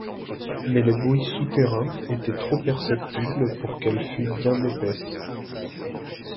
Mais les bruits souterrains étaient trop perceptibles pour qu’elle fût bien épaisse.